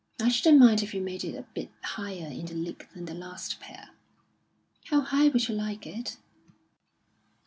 "I shouldn't mind if you made it a bit higher in the leg than the last pair." "How high would you like it?"